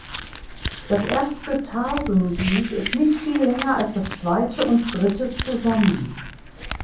Das erste Tarsenglied ist nicht viel länger als das zweite und dritte zusammen.